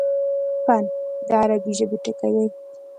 فن: د عربي ژبي ټکی دﺉ.